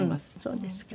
そうですか。